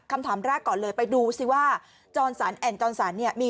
คำถามแรกก่อนเลยไปดูสิว่าจรสันแอ่นจอนสันเนี่ย